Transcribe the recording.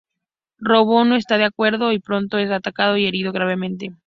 Robo no está de acuerdo, y pronto es atacado y herido gravemente.